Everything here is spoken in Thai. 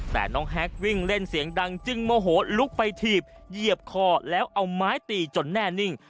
แต่น้องแฮกวิ่งเล่นเสียงดังจึงโมโหลุกไปถีบเหยียบคอแล้วเอาไม้ตีจนแน่นิ่ง